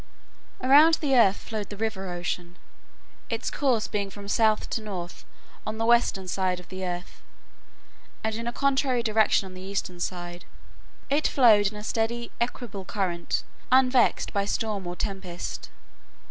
Around the earth flowed the River Ocean, its course being from south to north on the western side of the earth, and in a contrary direction on the eastern side. It flowed in a steady, equable current, unvexed by storm or tempest.